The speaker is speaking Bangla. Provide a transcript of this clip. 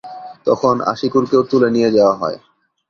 তখন আশিকুরকেও তুলে নিয়ে যাওয়া হয়।